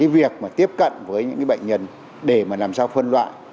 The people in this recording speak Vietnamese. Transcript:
việc mà tiếp cận với những bệnh nhân để mà làm sao phân loại